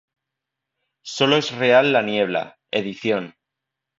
Sólo es real la niebla, Ed.